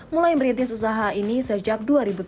mulai merintis usaha ini sejak dua ribu tujuh belas